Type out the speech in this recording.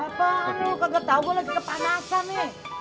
apa lo kaget tau gue lagi kepanasan nih